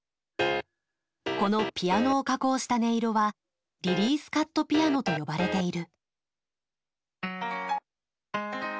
このピアノを加工した音色はリリースカットピアノと呼ばれている。